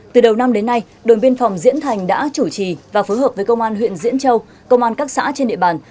từ đầu năm đến nay đồn biên phòng diễn thành đã chủ trì và phối hợp với công an huyện diễn châu công an các xã trên địa bàn